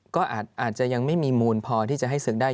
ก็อาจจะยังไม่มีมูลพอที่จะให้ศึกได้